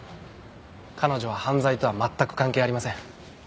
彼女は犯罪とは全く関係ありません。